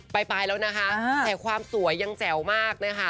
ไปแล้วนะคะแต่ความสวยยังแจ๋วมากนะคะ